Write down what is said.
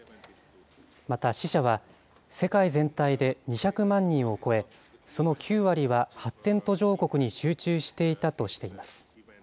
また死者は、世界全体で２００万人を超え、その９割は発展途上国に集中していたとしています。